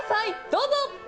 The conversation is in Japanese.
どうぞ。